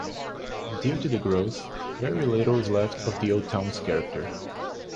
Due to the growth, very little is left of the old town's character.